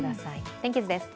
天気図です。